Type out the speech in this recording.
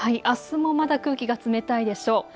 あすもまだ空気が冷たいでしょう。